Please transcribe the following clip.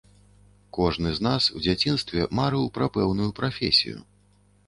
Кожны з нас у дзяцінстве марыў пра пэўную прафесію.